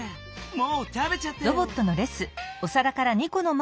もう食べちゃったよ。